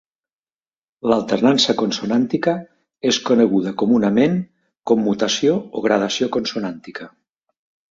L'alternança consonàntica és coneguda comunament com mutació o gradació consonàntica.